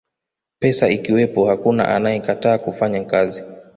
pesa ikiwepo hakuna anayekataa kufanya kazi